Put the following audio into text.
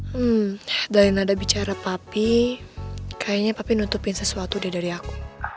hmm dari nada bicara papi kayaknya papi nutupin sesuatu deh dari aku